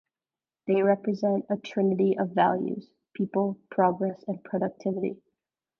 They represent a trinity of values: people, progress and productivity.